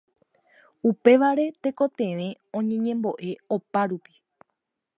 Upévare tekotevẽ oñemboʼeve opárupi.